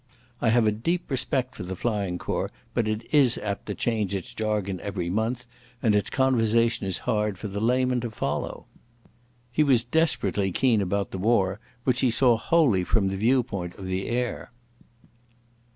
I have a deep respect for the Flying Corps, but it is apt to change its jargon every month, and its conversation is hard for the layman to follow. He was desperately keen about the war, which he saw wholly from the viewpoint of the air.